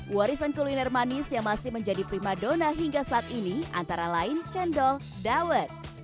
warisan kuliner manis yang masih menjadi prima dona hingga saat ini antara lain cendol dawet